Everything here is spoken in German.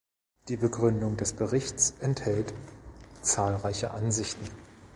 Die Begründung des Berichts enthält zahlreiche Ansichten.